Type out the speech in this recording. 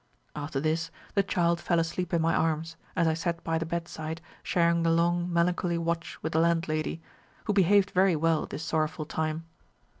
"After this the child fell asleep in my arms as I sat by the bedside sharing the long melancholy watch with the landlady, who behaved very well at this sorrowful time.